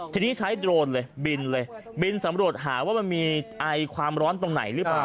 ทีนี้ใช้โดรนเลยบินเลยบินสำรวจหาว่ามันมีไอความร้อนตรงไหนหรือเปล่า